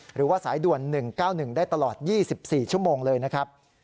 หรือว่าสายด่วน๑๙๑ได้ตลอด๒๔ชั่วโมงเลยนะครับ